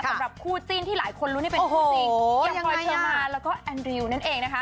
สำหรับคู่จีนที่หลายคนรู้นี่เป็นคู่จีนโอ้โหยังไงอย่างพลอยเชอร์มานแล้วก็แอนดริวนั่นเองนะคะ